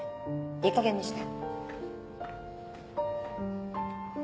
いいかげんにして。